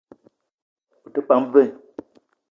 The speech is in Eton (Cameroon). Ou te pam vé?